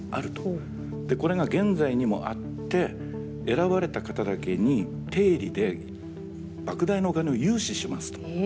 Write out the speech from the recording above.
でこれが現在にもあって選ばれた方だけに低利でばく大なお金を融資しますと。